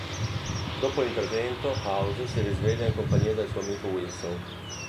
Dopo l'intervento House si risveglia in compagnia del suo amico Wilson.